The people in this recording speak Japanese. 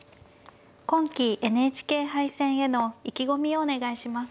今期ＮＨＫ杯戦への意気込みをお願いします。